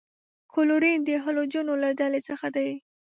کلورین د هلوجنو له ډلې څخه دی.